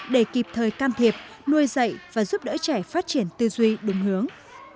để kịp thời can thiệp nuôi dạy và giúp đỡ trẻ phát triển tư duy đúng hướng